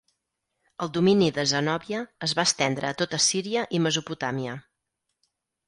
El domini de Zenòbia es va estendre a tota Síria i Mesopotàmia.